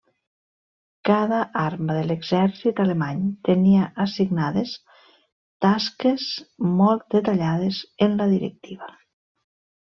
Cada arma de l'Exèrcit alemany tenia assignades tasques molt detallades en la Directiva.